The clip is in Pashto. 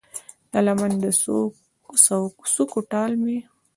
د لمن د څوکو ټال مې